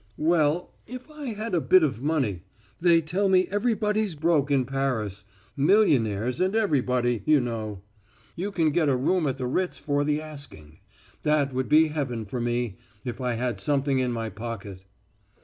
"Well if I had a bit of money they tell me everybody's broke in Paris. Millionaires and everybody, you know. You can get a room at the Ritz for the asking. That would be heaven for me if I had something in my pocket."